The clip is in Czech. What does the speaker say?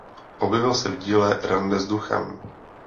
Objevil se v díle "Rande s duchem".